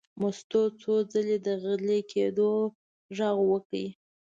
مستو څو ځلې د غلي کېدو غږ وکړ.